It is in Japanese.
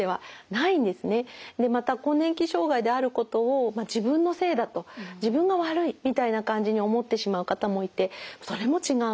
また更年期障害であることを自分のせいだと自分が悪いみたいな感じに思ってしまう方もいてそれも違うんですよね。